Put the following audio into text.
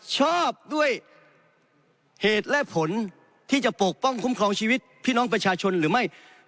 ชอบด้วยเหตุและผลที่จะปกป้องคุ้มครองชีวิตพี่น้องประชาชนหรือไม่